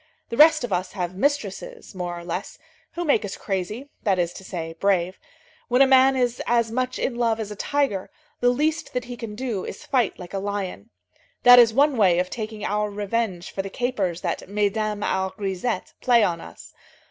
The rest of us have mistresses, more or less, who make us crazy, that is to say, brave. When a man is as much in love as a tiger, the least that he can do is to fight like a lion. That is one way of taking our revenge for the capers that mesdames our grisettes play on us.